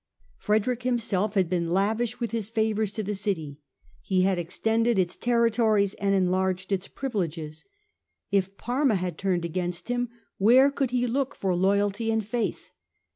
Frederick himself had been lavish with his favours to the city, had extended its territories and enlarged its privileges. If Parma had turned against him, where could he look for loyalty and faith